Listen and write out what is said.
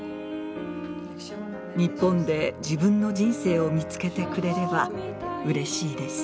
日本で自分の人生を見つけてくれればうれしいです。